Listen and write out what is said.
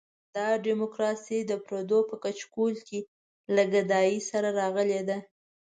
دا ډیموکراسي د پردو په کچکول کې له ګدایۍ سره راغلې ده.